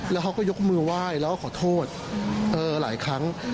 แล้วเขาก็ยกมือไหว้แล้วก็ขอโทษหลายครั้ง